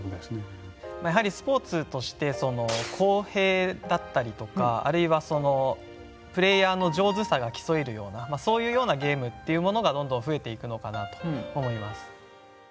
やはりスポーツとして公平だったりとかあるいはそのプレーヤーの上手さが競えるようなそういうようなゲームっていうものがどんどん増えていくのかなと思います。